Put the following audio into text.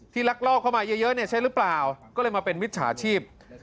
ลักลอบเข้ามาเยอะเนี่ยใช่หรือเปล่าก็เลยมาเป็นมิจฉาชีพ